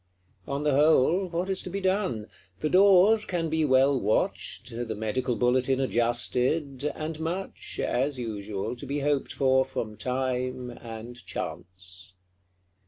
On the whole, what is to be done? The doors can be well watched; the Medical Bulletin adjusted; and much, as usual, be hoped for from time and chance.